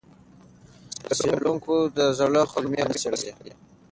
څېړونکو د زړو خلکو کولمې وڅېړلې.